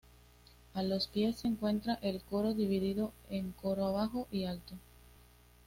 A los pies se encuentra el coro, dividido en coro bajo y alto.